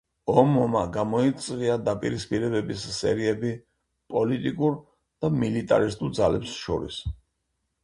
ომმა გამოიწვია დაპირისპირებების სერიები პოლიტიკურ და მილიტარისტულ ძალებს შორის.